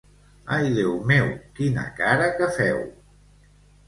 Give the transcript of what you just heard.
Ai, Déu meu, quina cara que feu!